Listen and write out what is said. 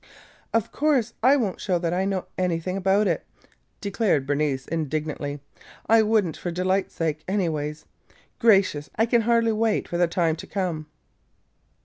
"Of course I won't show that I know anything about it!" declared Bernice indignantly. "I would n't for Delight's sake, anyway. Gracious! I can hardly wait for the time to come!"